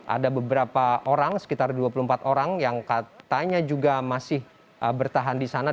ada beberapa orang sekitar dua puluh empat orang yang katanya juga masih bertahan di sana